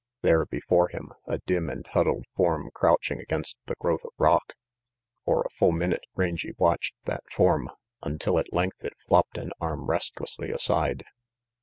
There, before him, a dim and huddled form crouching against the growth of rock! For a full minute Rangy watched that form, until at length it flopped an arm restlessly aside.